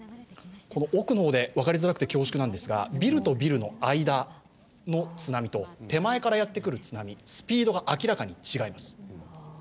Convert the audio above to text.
この奥の方で分かりづらくて恐縮なんですがビルとビルの間の津波と手前からやって来る津波スピードが明らかに違います。